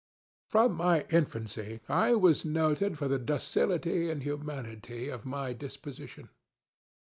From my infancy I was noted for the docility and humanity of my disposition.